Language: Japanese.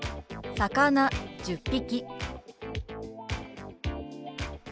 「魚１０匹」。